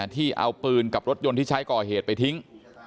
ที่เอาปืนกับรถยนต์ที่ใช้ก่อเหตุไปทิ้ง